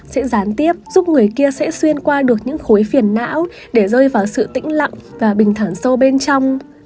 sẽ gián tiếp giúp người kia sẽ xuyên qua được những khối phiền não để rơi vào sự tĩnh lặng và bình thở sâu bên trong